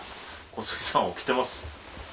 小杉さん起きてます？